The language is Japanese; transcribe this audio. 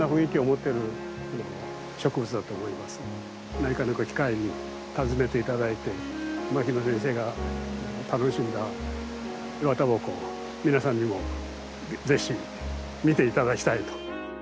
何かのご機会に訪ねていただいて牧野先生が楽しんだイワタバコを皆さんにもぜひ見ていただきたいと。